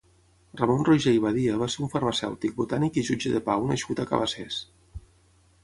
Ramon Roigé i Badia va ser un farmacèutic, botànic i jutge de pau nascut a Cabassers.